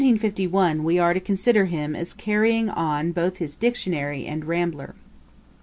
In 1751 we are to consider him as carrying on both his Dictionary and Rambler.